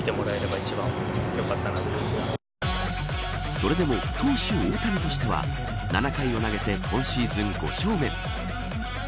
それでも、投手大谷としては７回を投げて今シーズン５勝目。